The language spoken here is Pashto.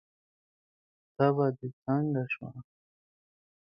تبه دې څنګه شوه؟